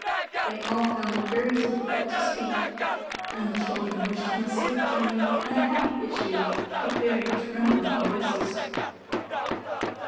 They all found it very difficult to speak and the children wished him a safe journey and a happy issue with very trembling voices.